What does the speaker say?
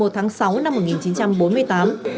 một mươi tháng sáu năm một nghìn chín trăm bốn mươi tám